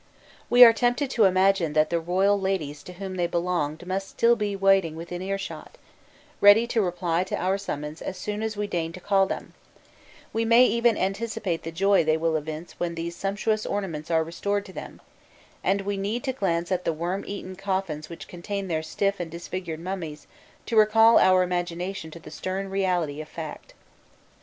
We are tempted to imagine that the royal ladies to whom they belonged must still be waiting within earshot, ready to reply to our summons as soon as we deign to call them; we may even anticipate the joy they will evince when these sumptuous ornaments are restored to them, and we need to glance at the worm eaten coffins which contain their stiff and disfigured mummies to recall our imagination to the stern reality of fact.